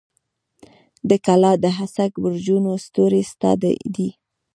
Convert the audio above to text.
د کلا د هسک برجونو ستوري ستا دي